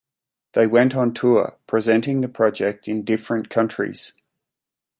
They went on tour presenting the project in different countries.